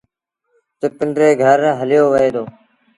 تا پنڊري گھر هليو وهي دو۔